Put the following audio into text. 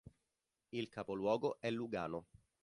Il capoluogo è Lugano.